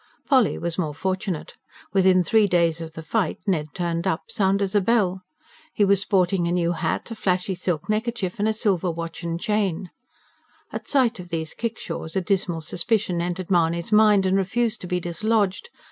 Polly was more fortunate. Within three days of the fight Ned turned up, sound as a bell. He was sporting a new hat, a flashy silk neckerchief and a silver watch and chain. At sight of these kickshaws a dismal suspicion entered Mahony's mind, and refused to be dislodged.